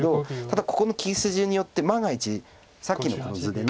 ただここの利き筋によって万が一さっきのこの図で。